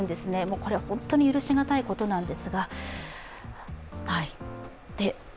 これは本当に許しがたいことです。